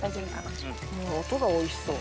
もう音がおいしそう。